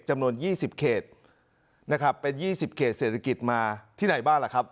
จำนวน๒๐เขตนะครับเป็น๒๐เขตเศรษฐกิจมาที่ไหนบ้างล่ะครับ